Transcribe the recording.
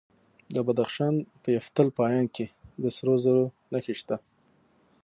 د بدخشان په یفتل پایان کې د سرو زرو نښې شته.